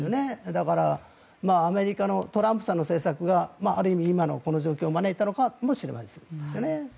だからアメリカのトランプさんの政策がある意味、今のこの状況を招いたのかもしれないですね。